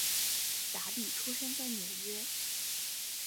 达利出生在纽约。